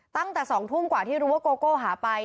ตั้งแต่๒ทุ่มกว่าที่รู้ว่าโกโก้หาไป